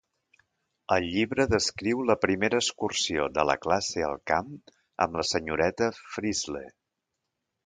El llibre descriu la primera excursió de la classe al camp amb la senyoreta Frizzle.